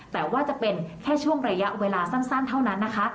แต่ว่าจะเป็นแค่ช่วงระยะเวลาสั้นเท่านั้นนะคะ